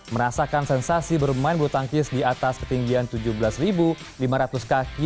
merasakan sensasi bermain bulu tangkis di atas ketinggian tujuh belas lima ratus kaki